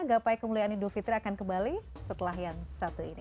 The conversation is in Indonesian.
gapai kemuliaan idul fitri akan kembali setelah yang satu ini